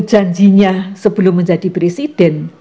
janjinya sebelum menjadi presiden